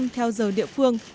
theo giờ địa phương